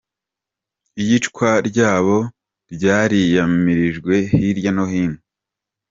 Iyicwa ryabo ryariyamirijwe hirya no hino kw'isi.